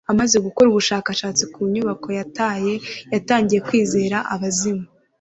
Amaze gukora ubushakashatsi ku nyubako yataye, yatangiye kwizera abazimu.